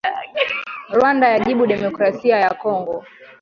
Rwanda yajibu Demokrasia ya Kongo